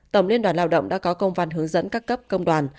tổng liên đoàn lao động đã có công văn hướng dẫn các cấp công đoàn